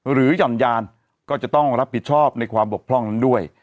หย่อนยานก็จะต้องรับผิดชอบในความบกพร่องนั้นด้วย